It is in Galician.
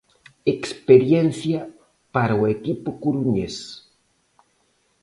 Experiencia para o equipo coruñés.